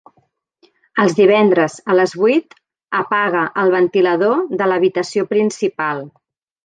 Els divendres a les vuit apaga el ventilador de l'habitació principal.